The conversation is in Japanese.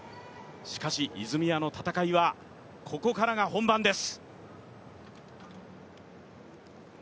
しかし、泉谷の戦いはここからが本番です。